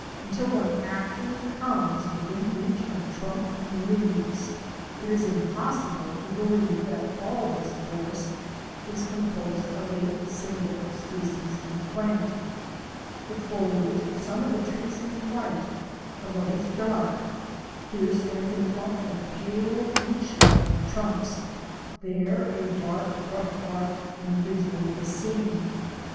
Until one actually comes within reach of trunk and leaves it is impos sible to believe that all this forest is composed of a single species of plant. The foliage of some of the trees is light, of others dark; here stands a clump of pale beechlike trunks, there a dark, rough barked individual is seen.